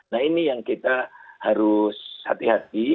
nah ini yang kita harus hati hati